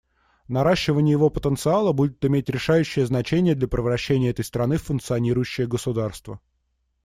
Наращивание его потенциала будет иметь решающее значение для превращения этой страны в функционирующее государство.